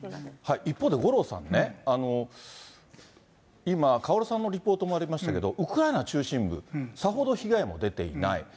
一方で、五郎さんね、今、カオルさんのリポートもありましたけれども、ウクライナ中心部、さほど被害も出ていない。